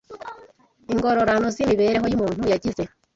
ingororano z’imibereho umuntu yagize.